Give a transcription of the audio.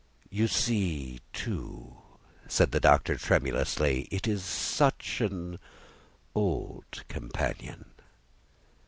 "You see, too," said the Doctor, tremulously, "it is such an old companion."